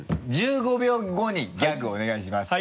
１５秒後にギャグをお願いします